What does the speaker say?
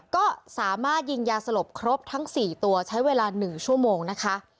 ก็สามารถยิงยาสลบครบทั้ง๔ตัวใช้เวลา๑ชั่วโมงนะคะ